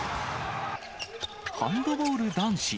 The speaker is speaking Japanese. ハンドボール男子。